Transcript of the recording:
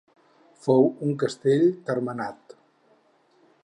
Fou un castell termenat.